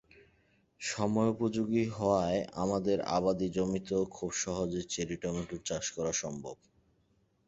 সময়োপযোগী হওয়ায় আমাদের আবাদি জমিতেও খুব সহজে চেরি টমেটোর চাষ করা সম্ভব।